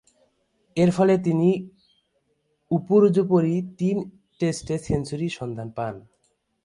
এরফলে তিনি উপর্যুপরি তিন টেস্টে সেঞ্চুরির সন্ধান পান।